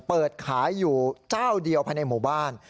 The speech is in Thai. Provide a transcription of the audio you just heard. เปิดขายอยู่เจ้าเดียวภายในหมู่บ้าน